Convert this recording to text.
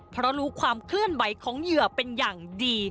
เพราะรู้ความเคลื่อนไหวของเหยื่อเป็นอย่างดี